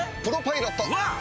うわっ！